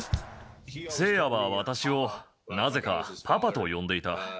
誠也は私を、なぜかパパと呼んでいた。